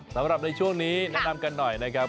สำหรับในช่วงนี้แนะนำกันหน่อยนะครับ